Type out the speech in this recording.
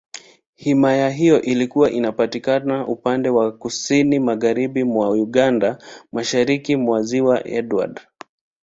Himaya hiyo ilikuwa inapatikana upande wa Kusini Magharibi mwa Uganda, Mashariki mwa Ziwa Edward.